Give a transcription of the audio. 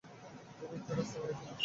তুমি একটা রাস্তা বানিয়েছিলে।